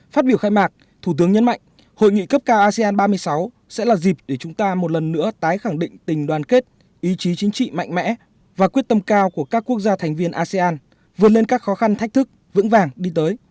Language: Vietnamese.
phát biểu khai mạc thủ tướng nhấn mạnh hội nghị cấp cao asean ba mươi sáu sẽ là dịp để chúng ta một lần nữa tái khẳng định tình đoàn kết ý chí chính trị mạnh mẽ và quyết tâm cao của các quốc gia thành viên asean vượt lên các khó khăn thách thức vững vàng đi tới